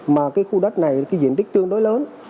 mà khu đất này diện tích tương đối lớn